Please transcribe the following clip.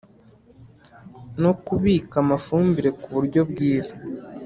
no kubika amafumbire kuburyo bwiza